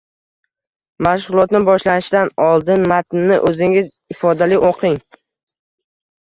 Mashg‘ulotni boshlashdan oldin matnni o‘zingiz ifodali o‘qing